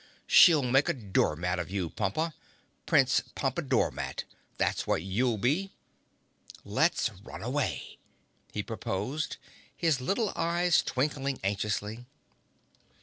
"She'll make a door mat of you, Pompa—Prince Pompadormat—that's what you'll be! Let's run away!" he proposed, his little eyes twinkling anxiously.